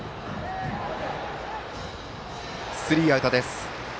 スリーアウトです。